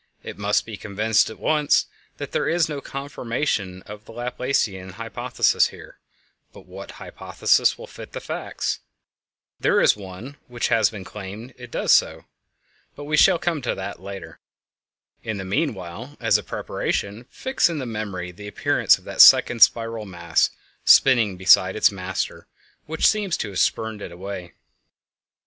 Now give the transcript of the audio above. It must be confessed at once that there is no confirmation of the Laplacean hypothesis here; but what hypothesis will fit the facts? There is one which it has been claimed does so, but we shall come to that later. In the meanwhile, as a preparation, fix in the memory the appearance of that second spiral mass spinning beside its master which seems to have spurned it away.